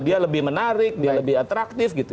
dia lebih menarik dia lebih atraktif gitu